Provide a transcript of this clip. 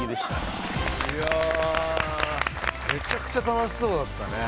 いやあめちゃくちゃ楽しそうだったね。